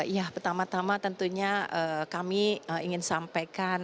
ya pertama tama tentunya kami ingin sampaikan